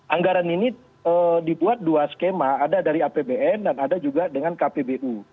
anggaran ini dibuat dua skema ada dari apbn dan ada juga dengan kpbu